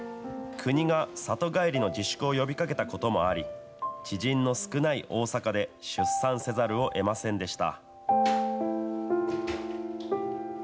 国が里帰りの自粛を呼びかけたこともあり、知人の少ない大阪で出産せざるをえませんでした。